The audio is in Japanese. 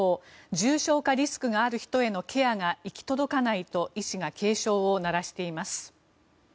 重症化リスクのある人へのケアが行き届かないと医師が警鐘を鳴らしています。